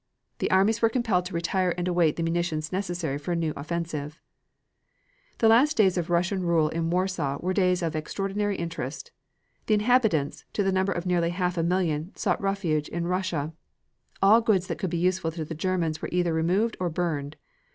The armies were compelled to retire and await the munitions necessary for a new offensive. The last days of Russian rule in Warsaw were days of extraordinary interest. The inhabitants, to the number of nearly half a million, sought refuge in Russia. All goods that could be useful to the Germans were either removed or burned.